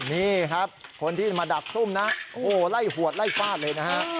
นี่ครับคนที่มาดักซุ่มนะโอ้โหไล่หวดไล่ฟาดเลยนะฮะ